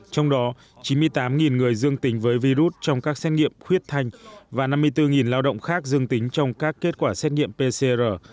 trong đó chín mươi tám người dương tính với virus trong các xét nghiệm khuyết thanh và năm mươi bốn lao động khác dương tính trong các kết quả xét nghiệm pcr